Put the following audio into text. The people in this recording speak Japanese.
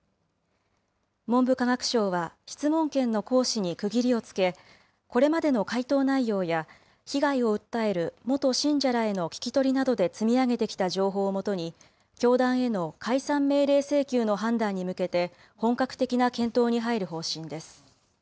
文部科学省は、質問権の行使に区切りをつけ、これまでの回答内容や、被害を訴える元信者らへの聞き取りなどで積み上げてきた情報を基に、教団への解散命令請求の判断に向けて、本格的な検討に入る方針です。